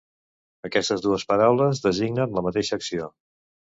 Aquestes dues paraules designen la mateixa acció.